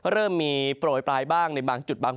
เริ่มมีโปรปรายในบางจุด